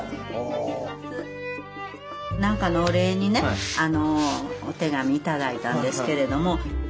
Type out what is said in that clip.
なんかのお礼にねお手紙頂いたんですけれども。